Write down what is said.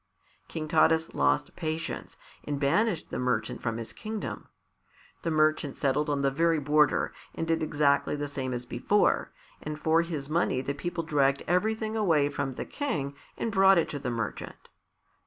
King Taras lost patience and banished the merchant from his kingdom. The merchant settled on the very border, and did exactly the same as before, and for his money the people dragged everything away from the King and brought it to the merchant.